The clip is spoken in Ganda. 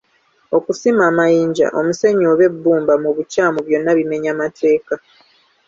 Okusima amayinja, omusenyu oba ebbumba mu bukyamu byonna bimenya mateeka.